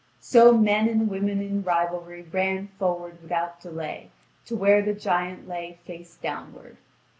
So men and women in rivalry ran forward without delay to where the giant lay face downward.